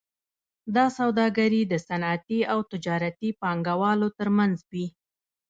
دا سوداګري د صنعتي او تجارتي پانګوالو ترمنځ وي